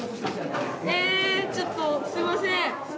えちょっとすいません